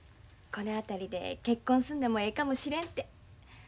この辺りで結婚するのもええかもしれんて。